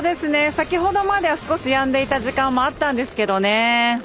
先程までは少しやんでいた時間もあったんですけどね。